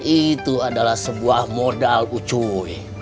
itu adalah sebuah modal kucui